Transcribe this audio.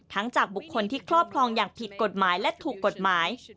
จากบุคคลที่ครอบครองอย่างผิดกฎหมายและถูกกฎหมาย